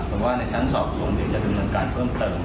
แต่ว่าในชั้นสอบสวนเด็กจะเป็นการเพิ่มเติม